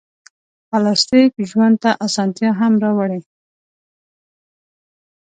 پلاستيک ژوند ته اسانتیا هم راوړي.